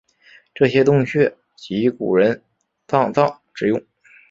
这些洞穴即古人丧葬之用。